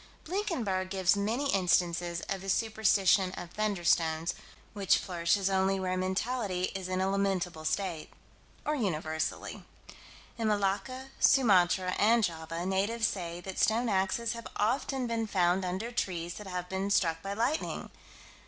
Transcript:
Blinkenberg gives many instances of the superstition of "thunderstones" which flourishes only where mentality is in a lamentable state or universally. In Malacca, Sumatra, and Java, natives say that stone axes have often been found under trees that have been struck by lightning.